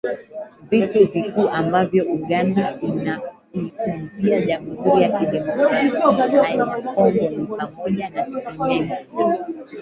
Vitu vikuu ambavyo Uganda inaiuzia Jamhuri ya Kidemokrasia ya Kongo ni pamoja na Simenti